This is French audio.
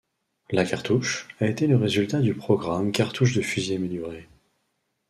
La cartouche a été le résultat du programme cartouche de fusil améliorée.